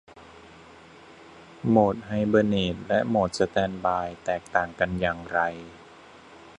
โหมดไฮเบอร์เนตและโหมดสแตนด์บายแตกต่างกันอย่างไร